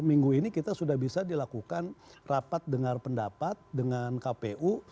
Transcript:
minggu ini kita sudah bisa dilakukan rapat dengar pendapat dengan kpu